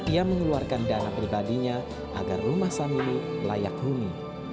ia mengeluarkan dana pribadinya agar rumah samini layak huni